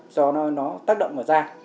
do nó tác động vào da